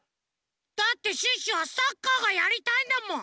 だってシュッシュはサッカーがやりたいんだもん！